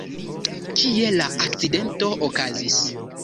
Kie la akcidento okazis?